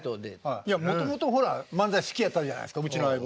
いやもともとほら漫才好きやったじゃないですかうちの相棒。